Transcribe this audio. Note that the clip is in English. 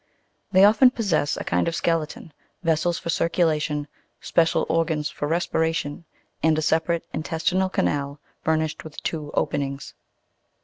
They often possess a kind of skeleton, vessels for circulation, special organs for respiration, and a separate intes tinal canal furnished with two openings.